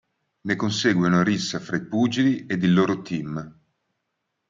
Ne consegue una rissa fra i pugili ed i loro team.